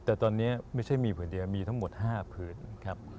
แต่ตอนนี้ไม่ใช่มีผืนเดียวมีทั้งหมด๕ผืนครับ